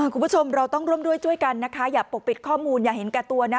คุณผู้ชมเราต้องร่วมด้วยช่วยกันนะคะอย่าปกปิดข้อมูลอย่าเห็นแก่ตัวนะ